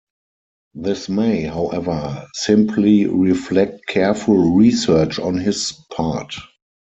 This may, however, simply reflect careful research on his part.